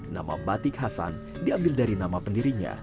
nama batik hasan diambil dari nama pendirinya